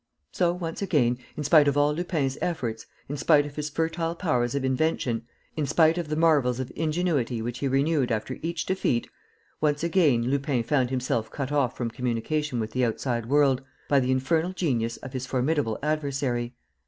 So, once again, in spite of all Lupin's efforts, in spite of his fertile powers of invention, in spite of the marvels of ingenuity which he renewed after each defeat, once again Lupin found himself cut off from communication with the outside world by the infernal genius of his formidable adversary.